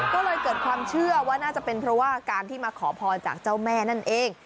ก็เลยเกิดความเชื่อว่าน่าจะเป็นเพราะว่าการที่มาขอพรจากเจ้าแม่นั่นเอง